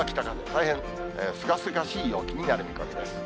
大変すがすがしい陽気になる見込みです。